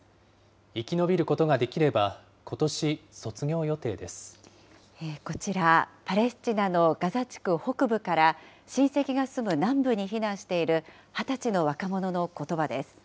生き延びることができれば、ことこちら、パレスチナのガザ地区北部から、親戚が住む南部に避難している２０歳の若者のことばです。